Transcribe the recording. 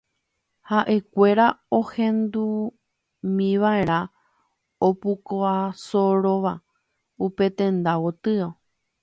ha'ekuéra ohendúmiva'erã opukasoróva upe tenda gotyo